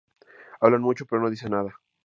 Hablan mucho, pero no dicen nada.